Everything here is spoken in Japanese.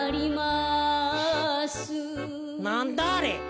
なんだあれ？